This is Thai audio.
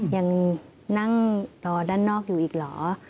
ยังนั่งรอด้านนอกอยู่อีกเหรอ